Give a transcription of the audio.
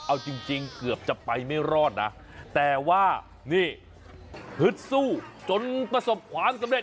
เอาจริงเกือบจะไปไม่รอดนะแต่ว่านี่ฮึดสู้จนประสบความสำเร็